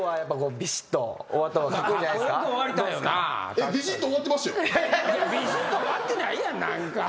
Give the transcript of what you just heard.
ビシッと終わってないやん何か。